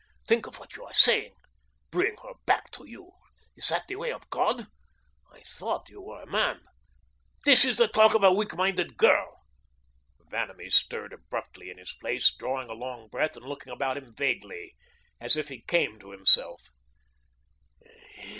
Think of what you are saying. Bring her back to you! Is that the way of God? I thought you were a man; this is the talk of a weak minded girl." Vanamee stirred abruptly in his place, drawing a long breath and looking about him vaguely, as if he came to himself.